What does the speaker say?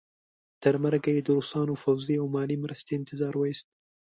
تر مرګه یې د روسانو پوځي او مالي مرستې انتظار وایست.